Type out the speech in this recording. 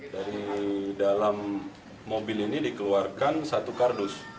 dari dalam mobil ini dikeluarkan satu kardus